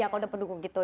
iya kota pendukung gitu